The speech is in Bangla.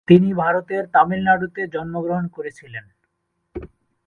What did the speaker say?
তিনি ভারতের তামিলনাড়ুতে জন্মগ্রহণ করেছিলেন।